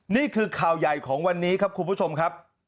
นี่คือข่าวใหญ่ของวันนี้ครับคุณผู้ชมครับ